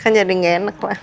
kan jadi gak enak lah